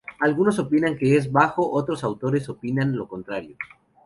Algunos opinan que es bajo, otros autores opinan lo contrario.